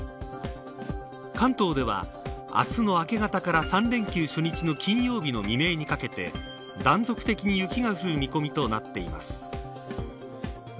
関東では明日の明け方から３連休初日の金曜日の未明にかけて断続的に雪が降る見込みとなっています。